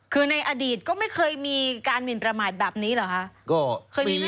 คือในอดีตก็ไม่เคยมีการหมินประมาทแบบนี้เหรอคะ